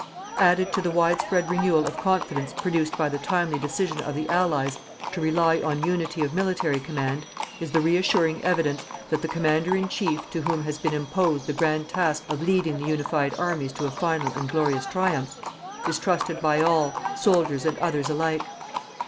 Added to the widespread renewal of confidence produced by the timely decision of the Allies to rely on unity of military command, is the reassuring evidence that the Commander in Chief to whom has been imposed the grand task of leading the unified armies to a final and glorious triumph, is trusted by all, soldiers and others alike.